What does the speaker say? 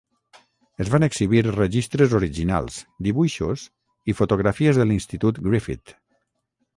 Es van exhibir registres originals, dibuixos i fotografies de l'Institut Griffith.